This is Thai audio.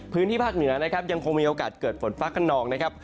พื้นที่ภาคเหนือนะครับยังคงมีโอกาสเกิดฝนฟ้าขนองนะครับ